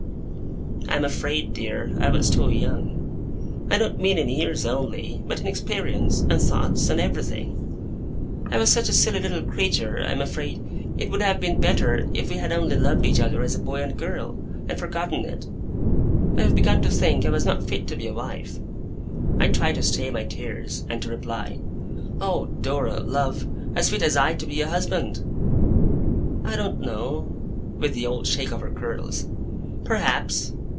'I am afraid, dear, I was too young. I don't mean in years only, but in experience, and thoughts, and everything. I was such a silly little creature! I am afraid it would have been better, if we had only loved each other as a boy and girl, and forgotten it. I have begun to think I was not fit to be a wife.' I try to stay my tears, and to reply, 'Oh, Dora, love, as fit as I to be a husband!' 'I don't know,' with the old shake of her curls. 'Perhaps!